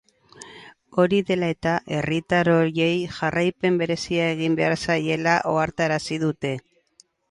Hori dela eta, herritar horiei jarraipen berezia egin behar zaiela ohartarazi dute.